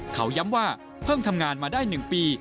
เขาย้ำว่าเพิ่งทำงานมาได้๑ปี